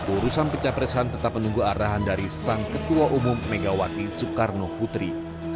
urusan pencapresan tetap menunggu arahan dari sang ketua umum megawati soekarno putri